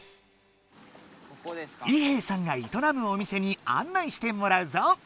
伊兵さんがいとなむお店にあん内してもらうぞ。